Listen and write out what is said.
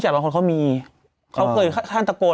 จากได้ประจาชีกันไม่ได้